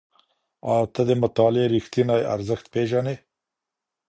ایا ته د مطالعې ریښتینی ارزښت پېژنې؟